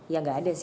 ya enggak ada sih